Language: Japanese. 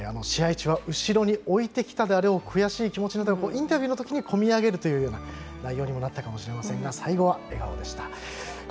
試合中は後ろに置いてきたであろう悔しい気持ちなどがインタビューのときに込み上げるという内容にもなったかもしれないですが最後は笑顔でした。